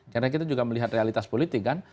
karena kita juga melihat realitas politik kan